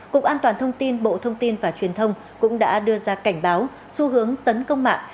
cục an toàn thông tin bộ thông tin và truyền thông cũng đã đưa ra cảnh báo xu hướng tấn công mạng